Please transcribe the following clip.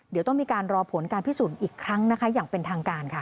เดี๋ยวต้องมีการรอผลการพิสูจน์อีกครั้งนะคะอย่างเป็นทางการค่ะ